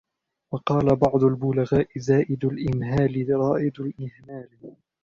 وَقَالَ بَعْضُ الْبُلَغَاءِ زَائِدُ الْإِمْهَالِ رَائِدُ الْإِهْمَالِ